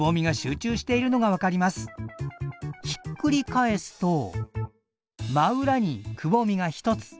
ひっくり返すと真裏にくぼみが一つ。